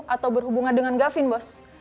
atau berhubungan dengan gavin bos